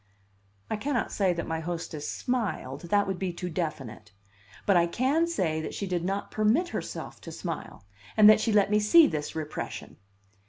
I cannot say that my hostess smiled, that would be too definite; but I can say that she did not permit herself to smile, and that she let me see this repression.